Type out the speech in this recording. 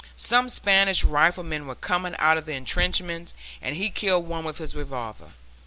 Some Spanish riflemen were coming out of the intrenchments and he killed one with his revolver.